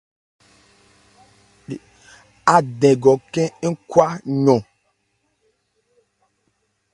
Ádɛgɔn khɛ́n ń khwa yɔn.